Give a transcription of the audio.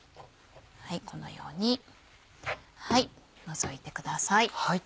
このように除いてください。